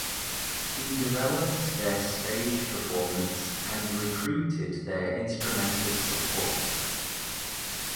He developed their stage performance and recruited their instrumental support.